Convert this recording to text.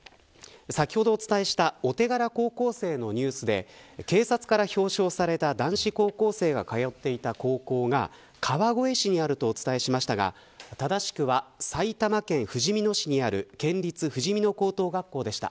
先ほどお伝えしたお手柄高校生のニュースで警察から表彰された男子高校生が通っていた高校が川越市にあるとお伝えしましたがただしくは埼玉県ふじみ野市にある県立ふじみ野高校学校でした。